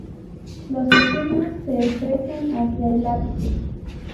Los estigmas se estrechan hacia el ápice.